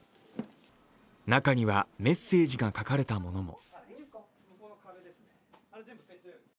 中にはメッセージが書かれたものも。